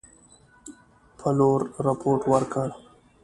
پلور رپوټ ورکړ.